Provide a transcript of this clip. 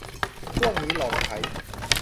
ช่วงนี้ลองใช้